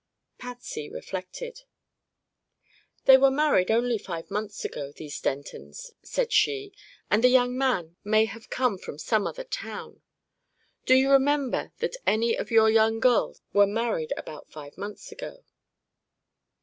Patsy reflected. "They were married only five months ago, these Dentons," said she, "and the young man may have come from some other town. Do you remember that any of your young girls were married about five months ago?"